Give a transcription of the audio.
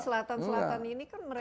selatan selatan ini kan mereka